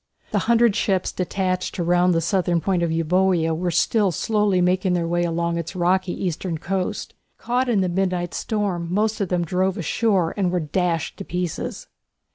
The hundred ships detached to round the south point of Euboea were still slowly making their way along its rocky eastern coast. Caught in the midnight storm most of them drove ashore and were dashed to pieces.